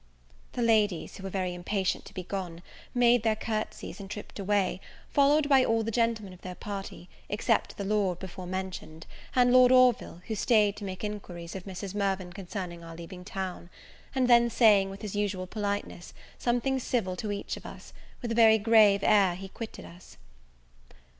The ladies, who were very impatient to be gone, made their courtsies, and tripped away, followed by all the gentlemen of their party, except the lord before mentioned, and, Lord Orville, who stayed to make inquiries of Mrs. Mirvan concerning our leaving town; and then saying, with his usual politeness, something civil to each of us, with a very grave air he quitted us.